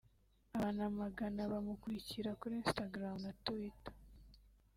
Abantu amagana bamukurikira kuri Instagram na Twitter